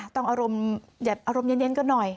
อ่ะต้องอารมณ์เดี๋ยวอารมณ์เย็นก็หน่อย